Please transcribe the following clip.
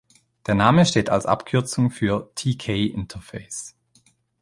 Der Name steht als Abkürzung für "Tk interface".